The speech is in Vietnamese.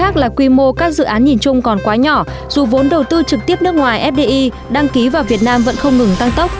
các dự án fdi không ký vào việt nam vẫn không ngừng tăng tốc